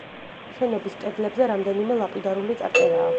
შენობის კედლებზე რამდენიმე ლაპიდარული წარწერაა.